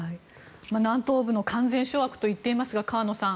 南東部の完全掌握といっていますが、河野さん